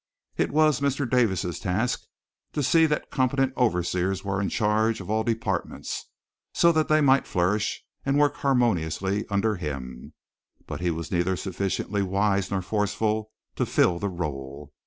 It was Mr. Davis' task to see that competent overseers were in charge of all departments so that they might flourish and work harmoniously under him, but he was neither sufficiently wise or forceful to fill the rôle.